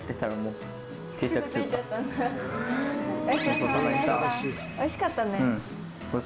うんおいしかったね。